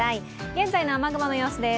現在の雨雲の様子です。